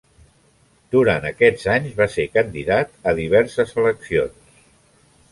Durant aquests anys, va ser candidat diverses eleccions.